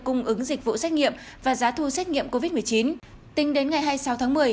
cung ứng dịch vụ xét nghiệm và giá thu xét nghiệm covid một mươi chín tính đến ngày hai mươi sáu tháng một mươi